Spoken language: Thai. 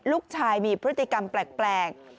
ลูกชายมีพฤติกรรมแปลก